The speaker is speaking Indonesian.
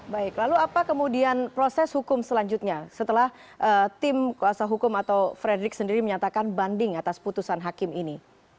baik lalu apa kemudian proses hukum selanjutnya setelah tim kuasa hukum atau frederick sendiri menyatakan banding atas putusan hakim ini